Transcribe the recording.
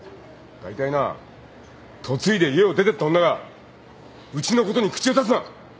だいたいな嫁いで家を出てった女がうちのことに口を出すな。